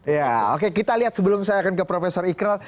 ya oke kita lihat sebelum saya akan ke profesor ikral